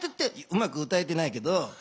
うまく歌えてないけど。